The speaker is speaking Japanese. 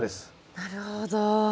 なるほど。